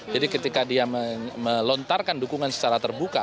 jadi ketika dia melontarkan dukungan secara terbuka